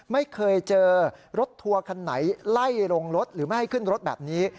ไม่เคยเจอรถทัวร์คันไหนไล่ลงรถหรือไม่ให้ขึ้นรถแบบนี้